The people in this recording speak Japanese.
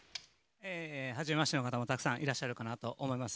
はじめましての方もたくさんいらっしゃると思います。